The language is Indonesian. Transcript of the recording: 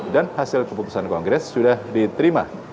dan hasil keputusan kongres sudah diterima